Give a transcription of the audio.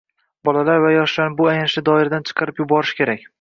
Bolalar va yoshlarni bu "ayanchli doiradan" chiqarib yuborish kerak